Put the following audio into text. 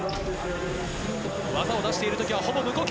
技を出している時は、ほぼ無呼吸。